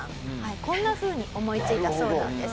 こんなふうに思いついたそうなんです。